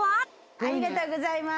ありがとうございます。